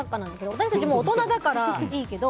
私たち、もう大人だからいいけど。